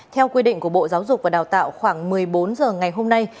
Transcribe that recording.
theo quy định của bộ giáo dục và đào tạo khoảng một mươi bốn h ngày hôm nay